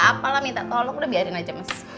apalah minta tolong udah biarin aja mas